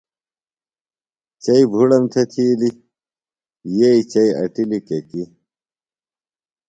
چئی بُھڑم تھےۡ تِھیلیۡ یئ ، چئی اٹِلیۡ کیکیۡ